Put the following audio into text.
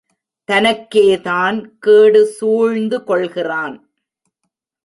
தனக்கே தான் கேடு சூழ்ந்து கொள்கிறான்.